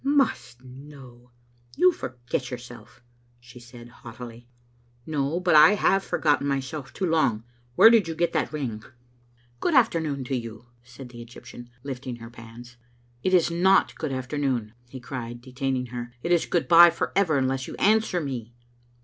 "Must know! You forget yourself," she said haughtily. " No, but I have forgotten myself too long. Where did you get that ring?" Digitized by VjOOQ IC Ife tbc Xlttie AiniBtct. * Good afternoon to you," said the Egyptian, lifting her pans. '•It is not good afternoon," he cried, detaining her, " It is good bye for ever, unless you answer me."